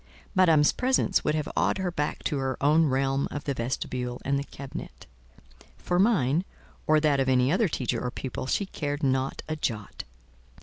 Madame's presence would have awed her back to her own realm of the vestibule and the cabinet—for mine, or that of any other teacher or pupil, she cared not a jot.